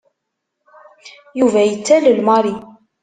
Yuba yettalel Mary.